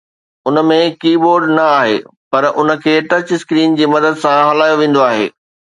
ان ۾ keyboard نه آهي پر ان کي ٽچ اسڪرين جي مدد سان هلايو ويندو آهي